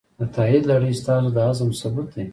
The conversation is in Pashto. د تایید لړۍ ستاسو د عزم ثبوت دی.